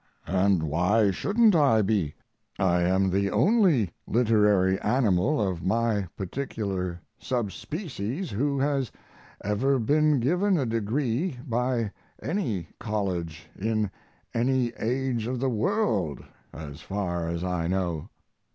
And why shouldn't I be? I am the only literary animal of my particular subspecies who has ever been given a degree by any college in any age of the world as far as I know.